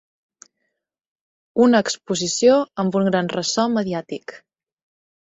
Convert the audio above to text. Una exposició amb un gran ressò mediàtic.